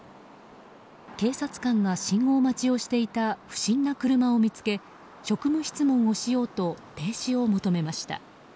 警察官が信号待ちをしていた不審な車を見つけ職務質問をしようと停止を求めました。